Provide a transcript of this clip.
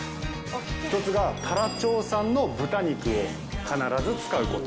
１つが、太良町産の豚肉を必ず使うこと。